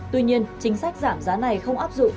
tuy nhiên chính sách giảm giá này không áp dụng